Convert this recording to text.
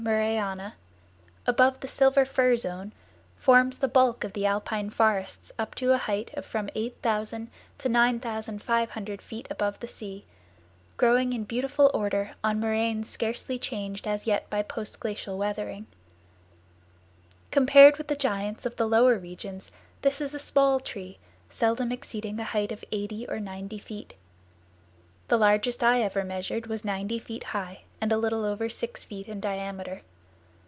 Murrayana), above the Silver Fir zone, forms the bulk of the alpine forests up to a height of from 8000 to 9500 feet above the sea, growing in beautiful order on moraines scarcely changed as yet by post glacial weathering. Compared with the giants of the lower regions this is a small tree, seldom exceeding a height of eighty or ninety feet. The largest I ever measured was ninety feet high and a little over six feet in diameter.